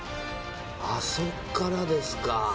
あそこからですか。